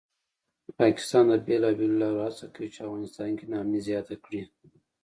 پاکستان د بېلابېلو لارو هڅه کوي چې افغانستان کې ناامني زیاته کړي